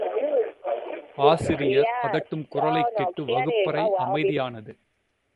ஆசிரியர் அதட்டும் குரலைக் கேட்டு வகுப்பறை அமைதியானது.